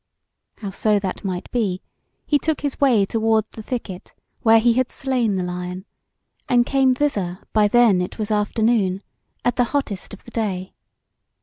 Howso that might be, he took his way toward the thicket where he had slain the lion, and came thither by then it was afternoon, at the hottest of the day.